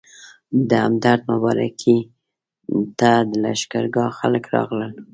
د همدرد مبارکۍ ته د لښکرګاه خلک راغلل.